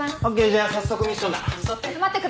じゃあ早速ミッションだ座って。